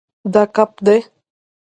دا کب دی